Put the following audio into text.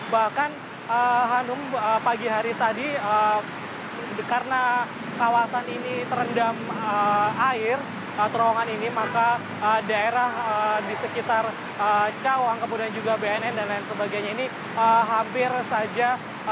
bahkan hanum pagi hari tadi karena kawasan ini terendam air terowongan ini maka daerah di sekitar cawang kemudian juga bnn dan lain sebagainya ini hampir saja